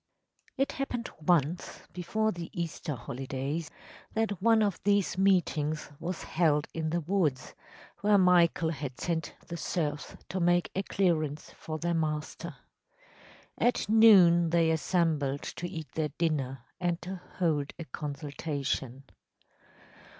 ‚ÄĚ It happened once, before the Easter holidays, that one of these meetings was held in the woods, where Michael had sent the serfs to make a clearance for their master. At noon they assembled to eat their dinner and to hold a consultation.